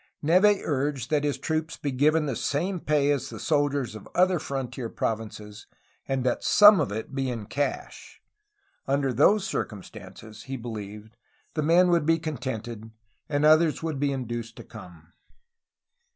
Neve urged that his troops be given the same pay as the soldiers of other frontier provinces and that some of it be in cash. Under those circumstances, he be lieved, the men would be contented, and others could be induced to come.